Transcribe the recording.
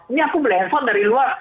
ini aku beli handphone dari luar